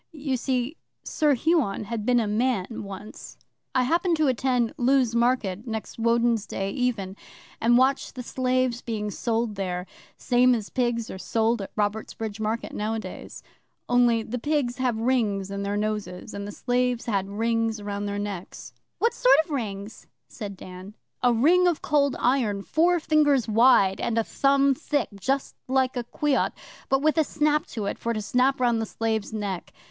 You see, Sir Huon had been a man once. 'I happened to attend Lewes Market next Woden's Day even, and watched the slaves being sold there same as pigs are sold at Robertsbridge Market nowadays. Only, the pigs have rings on their noses, and the slaves had rings round their necks.' 'What sort of rings?' said Dan. 'A ring of Cold Iron, four fingers wide, and a thumb thick, just like a quoit, but with a snap to it for to snap round the slave's neck.